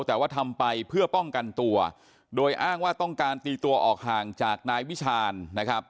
แต่ว่าทำไปเพื่อป้องกันตัวโดยอ้างว่าต้องการตีตัวออกห่างจากนายวิชาญนะครับ